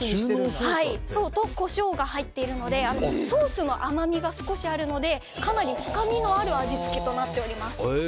あとコショウが入っていてソースの甘みがあるのでかなり深みのある味付けとなっております。